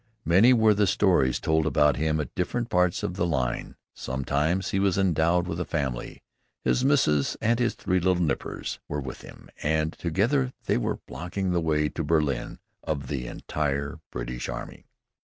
Many were the stories told about him at different parts of the line. Sometimes he was endowed with a family. His "missus" and his "three little nippers" were with him, and together they were blocking the way to Berlin of the entire British Army.